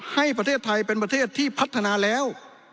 ให้ประเทศไทยเป็นประเทศที่พัฒนาแล้ว